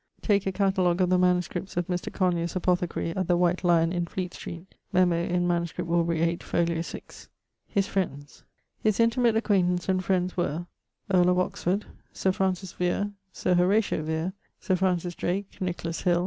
] 'Take a catalogue of the MSS. of Mr. Conyers, apothecary, at the White Lyon in Fleet Street.' Memo. in MS. Aubr. 8, fol. 6ᵛ. <_His friends._> His intimate acquaintance and friends were: ..., earle of Oxford. Sir Francis Vere. Sir Horatio Vere. Sir Francis Drake. Nicholas Hill.